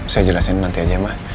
saya jelasin nanti aja mak